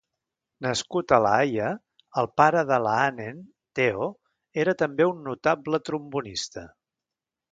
Nascut a La Haia, el pare de Laanen, Theo, era també un notable trombonista.